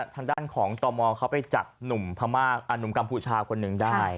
ทางด้านของตมเขาไปจับหนุ่มพม่าหนุ่มกัมพูชาคนหนึ่งได้